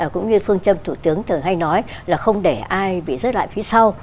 cũng như phương châm thủ tướng thường hay nói là không để ai bị rớt lại phía sau